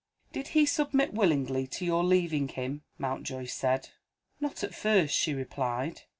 "Did he submit willingly to your leaving him?" Mountjoy said. "Not at first," she replied.